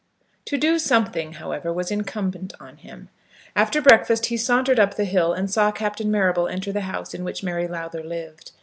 To do something, however, was incumbent on him. After breakfast he sauntered up the hill and saw Captain Marrable enter the house in which Mary Lowther lived.